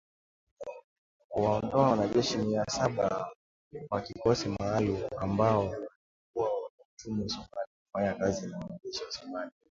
Kuwaondoa wanajeshi mia saba wa kikosi maalum ambao walikuwa wametumwa Somalia kufanya kazi na wanajeshi wa Somalia.